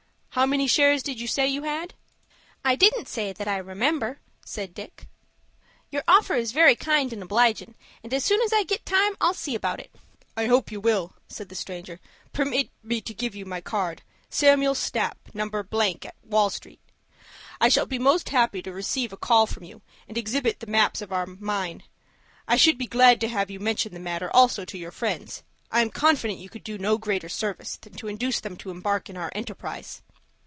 How many shares did you say you had?" "I didn't say, that I remember," said Dick. "Your offer is very kind and obligin', and as soon as I get time I'll see about it." "I hope you will," said the stranger. "Permit me to give you my card. 'Samuel Snap, No. — Wall Street.' I shall be most happy to receive a call from you, and exhibit the maps of our mine. I should be glad to have you mention the matter also to your friends. I am confident you could do no greater service than to induce them to embark in our enterprise."